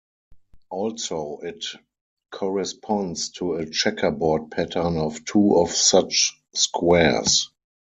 Also it corresponds to a checkerboard pattern of two of such squares.